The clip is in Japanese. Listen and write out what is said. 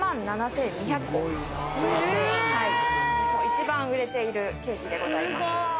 一番売れているケーキでございます。